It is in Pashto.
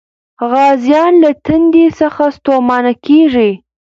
غازيان له تندې څخه ستومانه کېږي.